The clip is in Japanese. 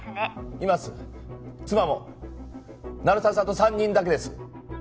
います妻も鳴沢さんと三人だけです